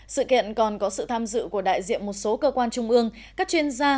sự kiện còn có sự tham dự của đại diện một số cơ quan trung ương các chuyên gia